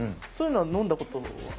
そういうのはのんだことは？